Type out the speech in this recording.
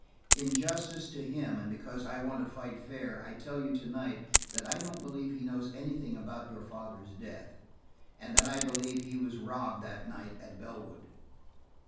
"In justice to him, and because I want to fight fair, I tell you to night that I don't believe he knows anything about your father's death, and that I believe he was robbed that night at Bellwood."